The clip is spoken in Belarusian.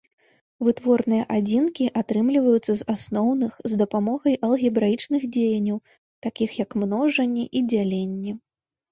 Вытворныя адзінкі атрымліваюцца з асноўных з дапамогай алгебраічных дзеянняў, такіх як множанне і дзяленне.